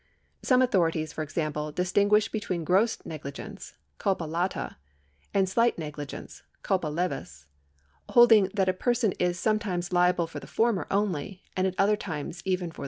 Some authorities, for example, distinguish between gross negligence {culpa lata) and slight negligence {culpa levis), holding that a person is sometimes liable for the former only, and at other times even for the latter.